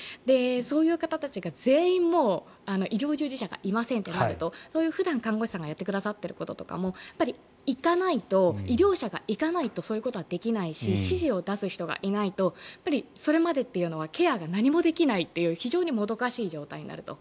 そういう方たちが全員医療従事者がいませんとなると普段、看護師さんがやってくださっていることとかも医療者が行かないとそういうことはできないし指示を出す人がいないとそれまでというのはケアが何もできないという非常にもどかしい状態になると。